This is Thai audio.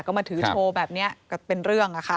ก็มาถือโชว์แบบนี้ก็เป็นเรื่องค่ะ